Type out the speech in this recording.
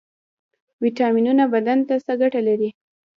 ویټامینونه بدن ته څه ګټه لري؟